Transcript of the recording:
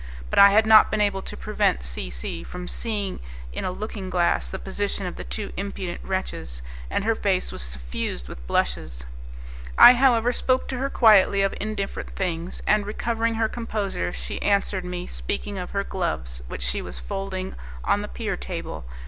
But I had not been able to prevent C C from seeing in a looking glass the position of the two impudent wretches, and her face was suffused with blushes; I, however, spoke to her quietly of indifferent things, and recovering her composure she answered me, speaking of her gloves, which she was folding on the pier table.